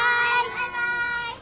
バイバイ。